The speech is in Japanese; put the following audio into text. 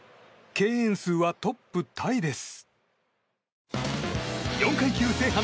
敬遠数はトップタイです。